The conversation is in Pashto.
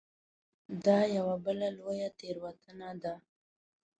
دا یوه بله لویه تېروتنه ده.